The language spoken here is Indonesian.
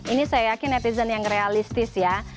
ini saya yakin netizen yang realistis ya